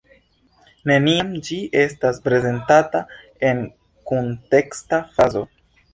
Neniam ĝi estas prezentata en kunteksta frazo.